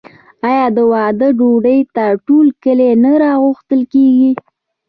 آیا د واده ډوډۍ ته ټول کلی نه راغوښتل کیږي؟